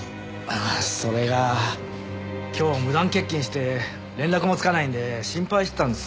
ああそれが今日無断欠勤して連絡もつかないんで心配してたんです。